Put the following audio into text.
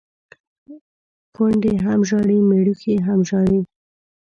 کونډي هم ژاړي ، مړوښې هم ژاړي.